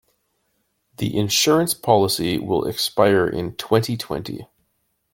The insurance policy will expire in twenty-twenty.